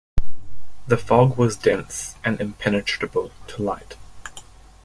The fog was dense and impenetrable to light.